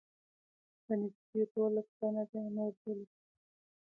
بیا نږدې دولس تنه، بیا نور دولس تنه.